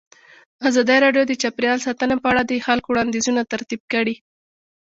ازادي راډیو د چاپیریال ساتنه په اړه د خلکو وړاندیزونه ترتیب کړي.